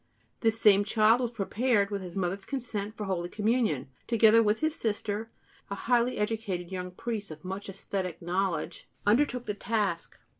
] This same child was prepared, with his mother's consent, for Holy Communion, together with his sister; a highly educated young priest of much æsthetic knowledge undertook the task.